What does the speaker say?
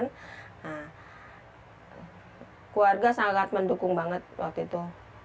nah keluarga sangat mendukung banget waktu itu